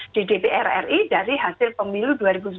di dpr ri dari hasil pemilu